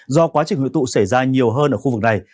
do quá trình hội tụ xảy ra nhiều hơn ở khu vực này